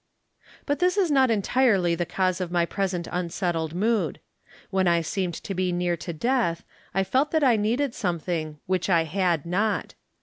But this is not entirely the cause of my present unsettled mocd. When I seemed to 'be near to death I felt that I needed something wliich I had not.